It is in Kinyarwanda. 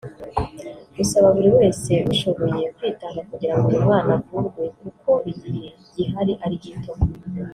rusaba buri wese ubishoboye kwitanga kugirango uyu mwana avurwe kuko igihe gihari ari gito